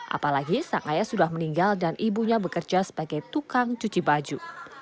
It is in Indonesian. apalagi sang ayah sudah meninggal dan ibunya bekerja sebagai tukang cuci baju